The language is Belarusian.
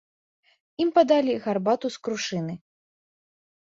Ім падалі гарбату з крушыны.